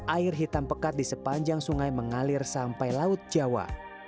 air hitam pekat di sepanjang sungai mengalir sampai laut jawa